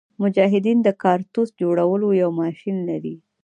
مجاهدین د کارتوس جوړولو یو ماشین لري.